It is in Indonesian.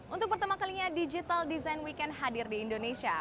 untuk pertama kalinya digital design weekend hadir di indonesia